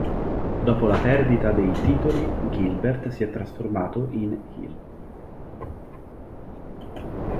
Dopo la perdita dei titoli, Gilbert si è trasformato in heel.